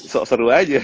sok seru aja